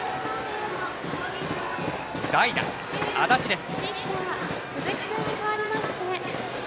代打、安達です。